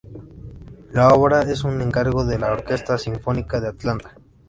La obra es un encargo de la Orquesta Sinfónica de Atlanta.